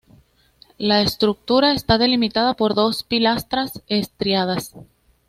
La estructura está delimitada por dos pilastras estriadas.